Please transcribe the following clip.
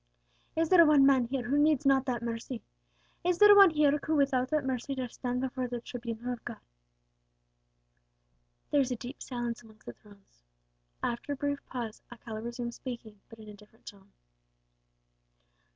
Is there one man here who needs not that mercy is there one here who without that mercy dare stand before the tribunal of God?" There was a deep silence amongst the throng. After a brief pause, Alcala resumed speaking, but in a different tone.